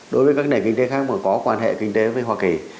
đối với các nền kinh tế khác mà có quan hệ kinh tế với hoa kỳ